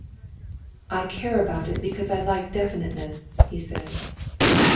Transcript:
"I care about it because I like definiteness," he said.